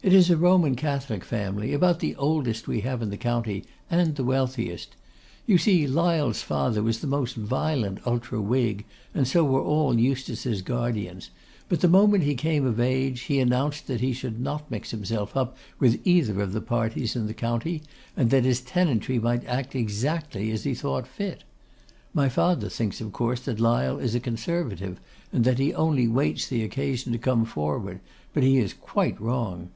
It is a Roman Catholic family, about the oldest we have in the county, and the wealthiest. You see, Lyle's father was the most violent ultra Whig, and so were all Eustace's guardians; but the moment he came of age, he announced that he should not mix himself up with either of the parties in the county, and that his tenantry might act exactly as they thought fit. My father thinks, of course, that Lyle is a Conservative, and that he only waits the occasion to come forward; but he is quite wrong.